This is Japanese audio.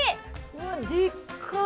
うわでっかい。